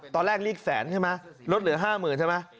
ตอนแรกนี่อีกแสนใช่ไหมลดเหลือห้าหมื่นใช่ไหม